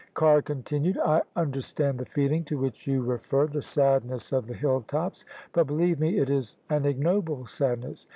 Carr continued: " I understand the feeling to which you refer — the sadness of the hill tops: but, believe me, it is an ignoble sadness.